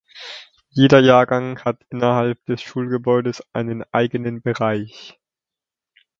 Jeder Jahrgang hat innerhalb des Schulgebäudes einen eigenen Bereich.